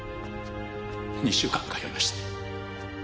２週間通いました。